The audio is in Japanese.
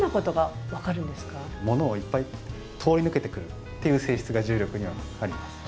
物をいっぱい通り抜けてくるっていう性質が重力波にはあります。